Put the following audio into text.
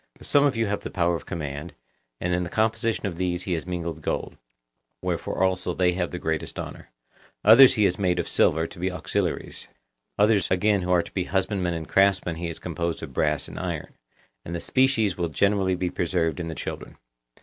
Some of you have the power of command, and in the composition of these he has mingled gold, wherefore also they have the greatest honour; others he has made of silver, to be auxiliaries; others again who are to be husbandmen and craftsmen he has composed of brass and iron; and the species will generally be preserved in the children.